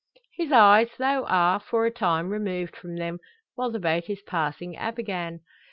His eyes, though, are for a time removed from them, while the boat is passing Abergann.